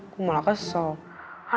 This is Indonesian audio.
gue malah kesel